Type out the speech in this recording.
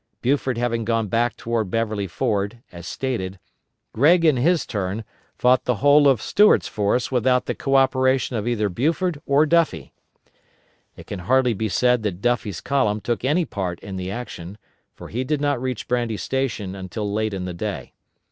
Buford having gone back toward Beverly Ford, as stated, Gregg in his turn, fought the whole of Stuart's force without the co operation of either Buford or Duffie. It can hardly be said that Duffie's column took any part in the action, for he did not reach Brandy Station until late in the day.